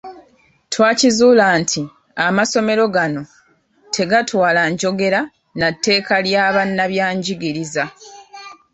Twakizuula nti amasomero gano tegatwala njogera na tteeka lya bannabyanjiriza.